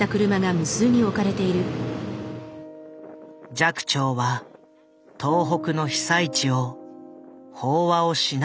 寂聴は東北の被災地を法話をしながら巡った。